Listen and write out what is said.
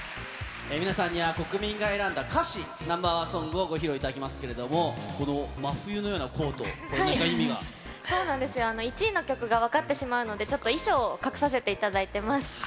皆さんには、国民が選んだ歌詞Ｎｏ．１ソングをご披露いただきますけれども、この真冬のようなコート、そうなんですよ、１位の曲が分かってしまうので、ちょっと衣装を隠させていただいてます。